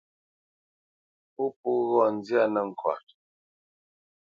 Pó po ghɔ̂ nzyâ nəŋkɔt.